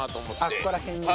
ああここら辺に。